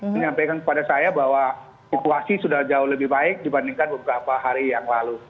menyampaikan kepada saya bahwa situasi sudah jauh lebih baik dibandingkan beberapa hari yang lalu